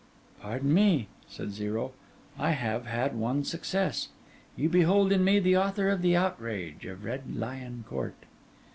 'Pardon me,' said Zero. 'I have had one success. You behold in me the author of the outrage of Red Lion Court.